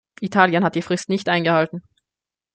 Italien hat die Frist nicht eingehalten.